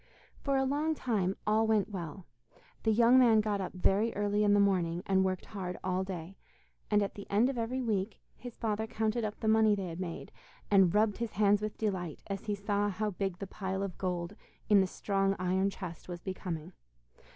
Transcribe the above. For a long time all went well; the young man got up very early in the morning, and worked hard all day, and at the end of every week his father counted up the money they had made, and rubbed his hands with delight, as he saw how big the pile of gold in the strong iron chest was becoming.